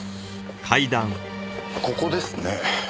ここですね。